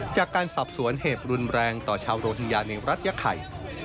จากการสอบสวนเหตุรุนแรงต่อชาวโรฮิงญาในรัฐยะไข่